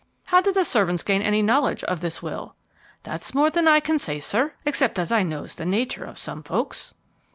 "How did the servants gain any knowledge of this will?" "That's more than I can say, sir, except as I knows the nature of some folks."